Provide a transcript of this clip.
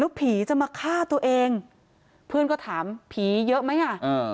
ผีจะมาฆ่าตัวเองเพื่อนก็ถามผีเยอะไหมอ่ะ